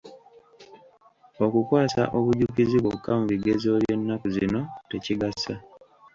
Okukwasa obujjukizi bwokka mu bigezo eby'ennaku zino, tekigasa.